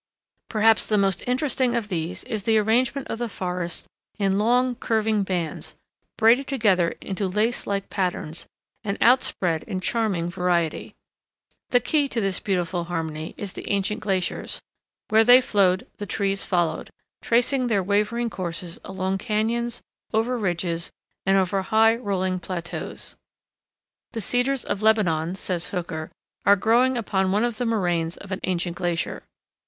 Perhaps the most interesting of these is the arrangement of the forests in long, curving bands, braided together into lace like patterns, and outspread in charming variety. The key to this beautiful harmony is the ancient glaciers; where they flowed the trees followed, tracing their wavering courses along cañons, over ridges, and over high, rolling plateaus. The Cedars of Lebanon, says Hooker, are growing upon one of the moraines of an ancient glacier.